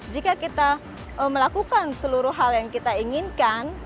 jika kita melakukan seluruh hal yang kita inginkan